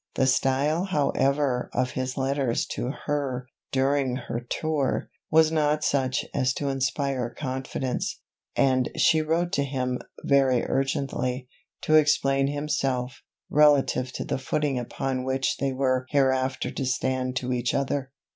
The style however of his letters to her during her tour, was not such as to inspire confidence; and she wrote to him very urgently, to explain himself, relative to the footing upon which they were hereafter to stand to each other.